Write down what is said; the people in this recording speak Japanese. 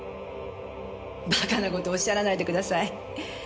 バカな事おっしゃらないでください。